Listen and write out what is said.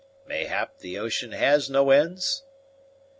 "Mayhap the ocean has no ends?"